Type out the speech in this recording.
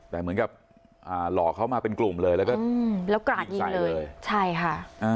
แต่เหมือนกับหลอกเขามาเป็นกลุ่มเลยแล้วก็แล้วกราดยิงเลยใช่ค่ะ